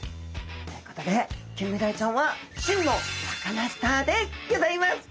ということでキンメダイちゃんは真のサカナスターでギョざいます。